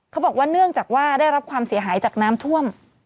เขาบอกว่าเนื่องจากว่าได้รับความเสียหายจากน้ำท่วม